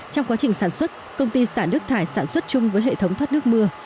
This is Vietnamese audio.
trong quá trình sản xuất công ty xả nước thải sản xuất chung với hệ thống thoát nước mưa